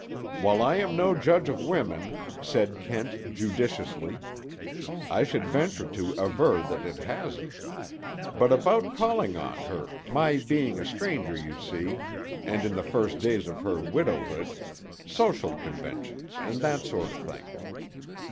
"While I am no judge of women," said Kent judicially, "I should venture to aver that it hasn't. But about calling on her—my being a stranger, you see—and in the first days of her widowhood—social conventions, and that sort of thing."